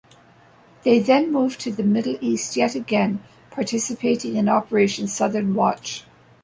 They then moved to the Middle East yet again participating in Operation Southern Watch.